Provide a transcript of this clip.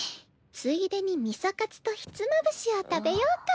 ついでにミソカツとひつまぶしを食べようか。